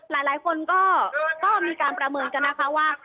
หลายคนก็มีการประเมินกันนะคะว่า